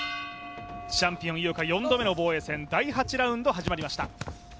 チャンピオン・井岡４度目の防衛戦、第８ラウンド始まりました。